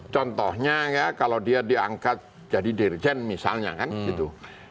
contohnya ya kalau dia diangkat jadi dirjen misalnya kan gitu